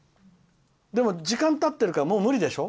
でも、時間たってるからもう無理でしょ？